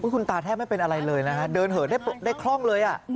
คุณตาแทบไม่เป็นอะไรเลยนะฮะเดินเหินได้คล่องเลย